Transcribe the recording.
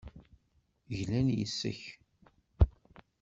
Glan yes-k.